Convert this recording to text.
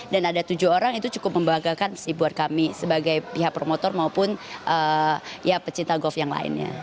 dan ada tujuh orang itu cukup membahagakan sih buat kami sebagai pihak promotor maupun ya pecinta goff yang lainnya